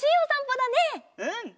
うん！